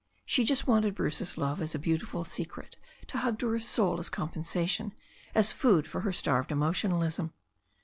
She just wanted Bruce's love as a beauti ful secret to hug to her soul as compensation, as food for her starved emotionalism.